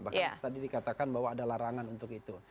bahkan tadi dikatakan bahwa ada larangan untuk itu